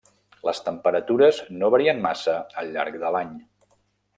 Les temperatures no varien massa al llarg de l'any.